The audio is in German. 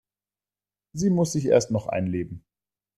Sie muss sich erst noch einleben.